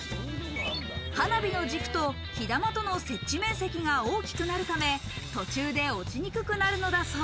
花火の軸と火玉との設置面積が大きくなるため、途中で落ちにくくなるのだそう。